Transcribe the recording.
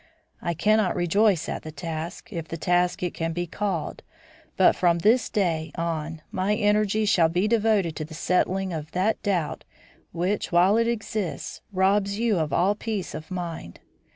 I cannot rejoice at the task, if task it can be called, but from this day on my energies shall be devoted to the settling of that doubt which, while it exists, robs you of all peace of mind.